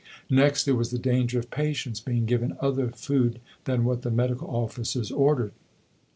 Next, there was the danger of patients being given other food than what the medical officers ordered.